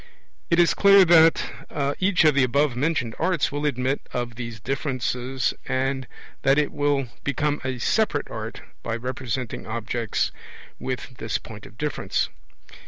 It is clear that each of the above mentioned arts will admit of these differences, and that it will become a separate art by representing objects with this point of difference.